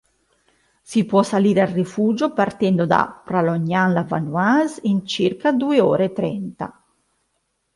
Si può salire al rifugio partendo da Pralognan-la-Vanoise in circa due ore e trenta.